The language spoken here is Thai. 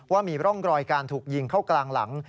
ว่ามีร่องรอยการถูกยิงเข้ากลางหลัง